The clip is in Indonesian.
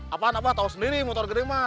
apaan apaan tau sendiri motor gede mbah